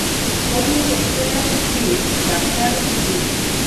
هغې غوښتل چې ډاکټره شي